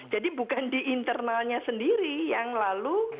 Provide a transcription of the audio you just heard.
jadi bukan di internalnya sendiri yang lalu dikontestasi